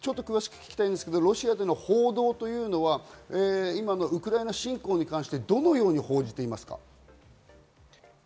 ロシアでの報道というのは、今のウクライナ侵攻に関してどのように報じていますか？